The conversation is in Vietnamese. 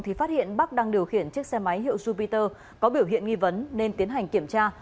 thì phát hiện bắc đang điều khiển chiếc xe máy hiệu supiter có biểu hiện nghi vấn nên tiến hành kiểm tra